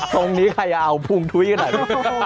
ตรงนี้ใครจะเอาบุคทรวยอยู่ในนี่